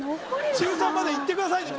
中３までいってくださいね